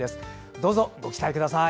どうぞ、ご期待ください。